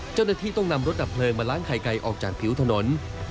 เจ้าหน้าที่ต้องนำรถดับเพลิงมาล้างไข่ไก่ออกจากผิวถนน